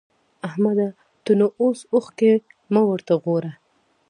احمده! ته نو اوس اوښکی مه ورته غوړوه.